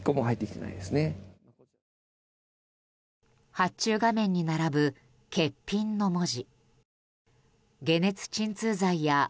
発注画面に並ぶ「欠品」の文字。